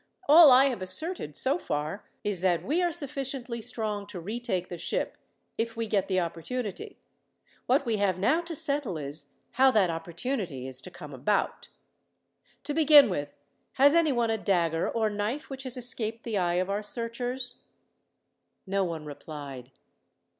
All I have asserted, so far, is that we are sufficiently strong to retake the ship, if we get the opportunity. What we have now to settle, is how that opportunity is to come about. "To begin with, has anyone a dagger or knife which has escaped the eye of our searchers?" No one replied.